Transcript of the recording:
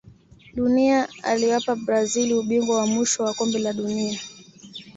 dunia aliwapa brazil ubingwa wa mwisho wa kombe la dunia